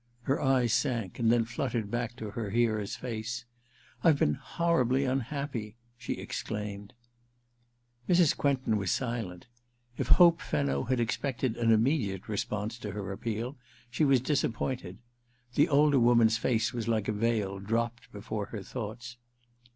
Her eyes sank, and then fluttered back to her hearer's face. * I've been horribly unhappy !' she ex claimed. Mrs. Quentin was silent. If Hope Fenno had expected an immediate response to her appeal, she was disappointed. The older woman's face was like a veil dropped before her thoughts.